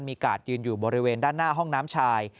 มีกาดยืนอยู่บริเวณด้านหน้าห้องน้ำชาย